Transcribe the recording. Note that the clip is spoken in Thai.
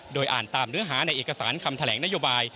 โดยอ่านตามเนื้อหาในเอกสารคำแถลงนโยบาย